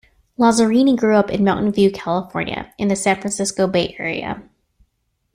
Lazzarini grew up in Mountain View, California in the San Francisco Bay Area.